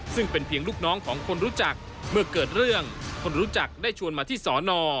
ซึ่งเป็นเพียงลูกน้องของคนรู้จักเมื่อเกิดเรื่องคนรู้จักได้ชวนมาที่สอนอ